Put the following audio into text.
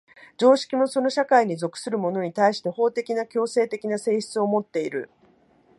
常識もその社会に属する者に対して法的な強制的な性質をもっている。